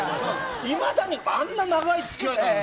今だに、あんなに長い付き合いなのに。